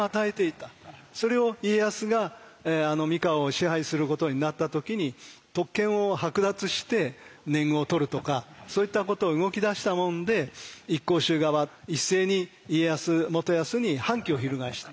それを家康が三河を支配することになった時に特権を剥奪して年貢を取るとかそういったことを動き出したもんで一向宗側一斉に家康元康に反旗を翻した。